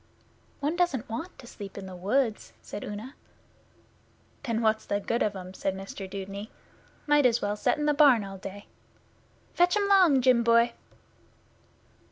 'One doesn't want to sleep in the woods,' said Una. 'Then what's the good of 'em?' said Mr Dudeney. 'Might as well set in the barn all day. Fetch 'em 'long, Jim boy!